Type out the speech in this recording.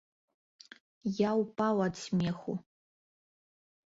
Я ўпаў ад смеху.